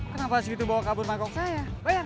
kenapa segitu bawa kabur mangkuk saya